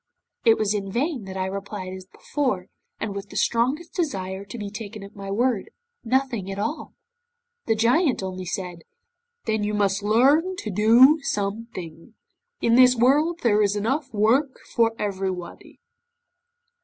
'It was in vain that I replied as before, and with the strongest desire to be taken at my word, "Nothing at all." 'The Giant only said, '"Then you must learn to do something; in this world there is enough work for everybody."